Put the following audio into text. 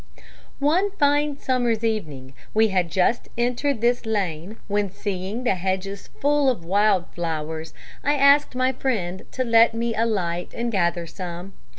"One fine summer's evening we had just entered this lane when, seeing the hedges full of wild flowers, I asked my friend to let me alight and gather some.